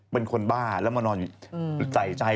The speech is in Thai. เป็นคนบ้าแล้วมานอนใส่ใจ